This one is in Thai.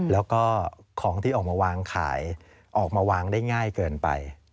แล้วก็ของที่ออกมาวางขายออกมาวางได้ง่ายเกินไป